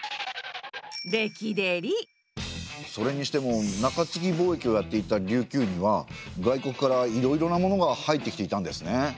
それにしても中継貿易をやっていた琉球には外国からいろいろなものが入ってきていたんですね。